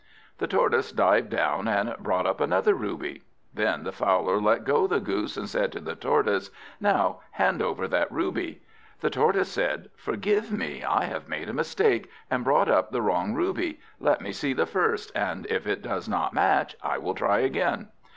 The Tortoise dived down, and brought up another ruby. Then the Fowler let go the Goose, and said to the Tortoise, "Now hand over that ruby." The Tortoise said, "Forgive me, I have made a mistake, and brought up the wrong ruby. Let me see the first, and if it does not match, I will try again."